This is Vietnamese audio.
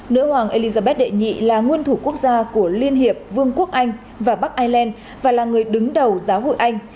nữ hoàng elizabeth đệ nhị là nguyên thủ quốc gia của liên hiệp vương quốc anh và bắc ireland và là người đứng đầu giáo hội anh